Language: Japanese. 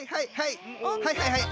はいはいはい！